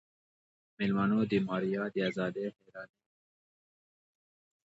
مېلمنو د ماريا د ازادۍ حيراني وکړه.